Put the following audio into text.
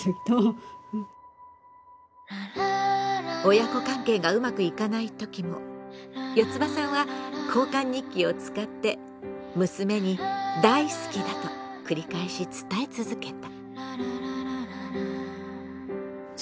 親子関係がうまくいかないときもよつばさんは交換日記を使って娘に「大好きだ」と繰り返し伝え続けた。